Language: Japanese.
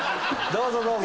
どうぞどうぞ！